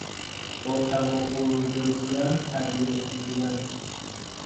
با توافق روبرو شدن، پذیرفته شدن